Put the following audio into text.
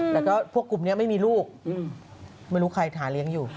แล้วก็พวกกลุ่มนี้ไม่มีลูกไม่รู้ใครหาเลี้ยงอยู่